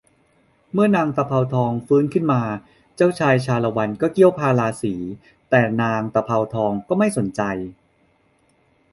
เมื่อนางตะเภาทองฟื้นขึ้นมาเจ้าชาละวันก็เกี้ยวพาราสี แต่นางตะเภาทองก็ไม่สนใจ